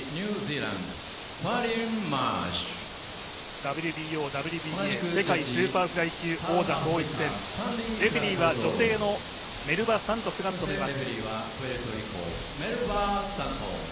ＷＢＯ・ＷＢＡ世界スーパーフライ級王座統一戦、レフェリーは女性のメルバ・サントスが務めます。